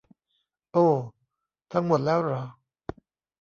โอ้ ทั้งหมดแล้วหรอ